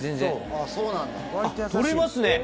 あっ取れますね！